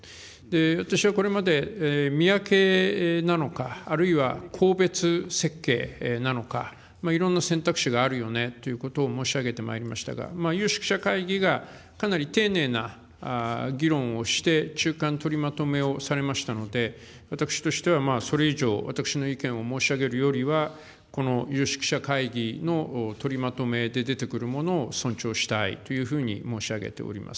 私はこれまで宮家なのか、あるいは、こうべつせっけいなのか、いろんな選択肢があるよねということを申し上げてまいりましたが、有識者会議がかなり丁寧な議論をして、中間取りまとめをされましたので、私としては、それ以上私の意見を申し上げるよりは、有識者会議の取りまとめで出てくるものを尊重したいというふうに申し上げております。